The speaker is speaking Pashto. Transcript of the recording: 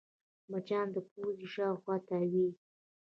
مچان د پوزې شاوخوا تاوېږي